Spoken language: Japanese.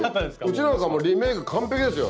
うちなんかリメイク完璧ですよ。